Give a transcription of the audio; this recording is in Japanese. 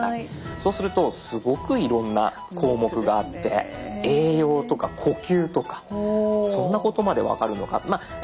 そうするとすごくいろんな項目があって「栄養」とか「呼吸」とかそんなことまで分かるのか。